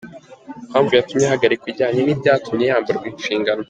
Impamvu yatumye ahagarikwa ijyanye n’ibyatumye yamburwa inshingano.